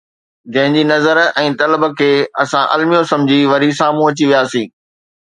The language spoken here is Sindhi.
جنهن جي نظر ۽ طلب کي اسان الميو سمجهي، وري سامهون اچي وياسين